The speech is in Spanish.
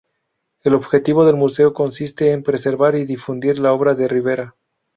El objetivo del museo consiste en preservar y difundir la obra de Rivera.